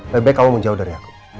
lebih baik kamu menjauh dari aku